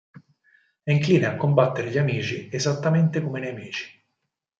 È incline a combattere gli amici esattamente come i nemici.